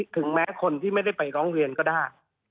ถึงแม้คนที่ไม่ได้ไปร้องเรียนก็ได้